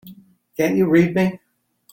Can't you read me?